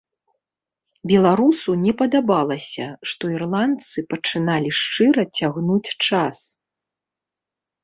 Беларусу не падабалася, што ірландцы пачыналі шчыра цягнуць час.